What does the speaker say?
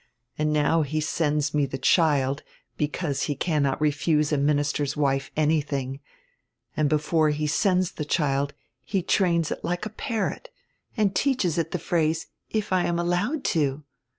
And now he sends me die child, because he cannot refuse a minister's wife anything, and before he sends die child he trains it like a parrot and teaches it die phrase, 'if I am allowed to.'